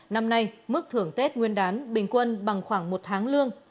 năm nay mức thưởng tết nguyên đán bình quân bằng khoảng một tháng lương